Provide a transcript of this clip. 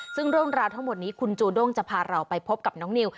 ซึ่งเรื่องราวทั้งหมดนี้คุณจูด้งจะพาเราไปพบกับน้องนิว